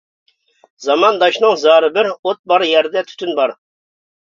زامانداشنىڭ زارى بىر، ئوت بار يەردە تۈتۈن بار.